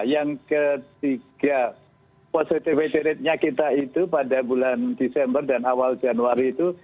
yang ketiga positivity ratenya kita itu pada bulan desember dan awal januari itu